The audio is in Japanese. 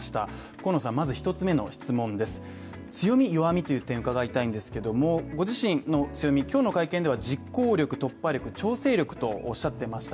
河野さん、まず１つ目の質問です、強み、弱みという点を伺いたいんですけども御自身の強み、今日の会見では実行力調整力、突破力とおっしゃっていました。